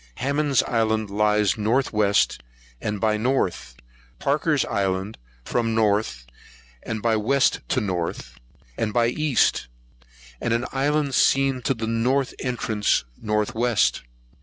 Hammond's Island lies north west and by west, Parker's Island from north and by west to north and by east, and an island seen to the north entrance north west.